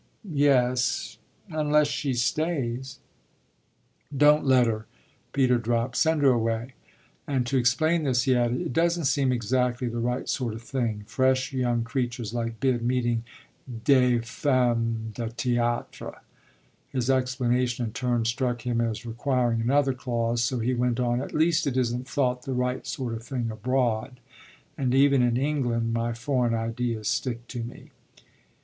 "Yes, unless she stays." "Don't let her," Peter dropped; "send her away." And to explain this he added: "It doesn't seem exactly the right sort of thing, fresh young creatures like Bid meeting des femmes de théâtre." His explanation, in turn, struck him as requiring another clause; so he went on: "At least it isn't thought the right sort of thing abroad, and even in England my foreign ideas stick to me."